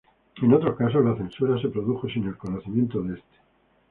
En otros casos, la censura se produjo sin el conocimiento de este.